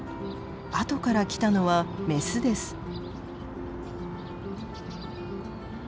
あとから来たのはメスです。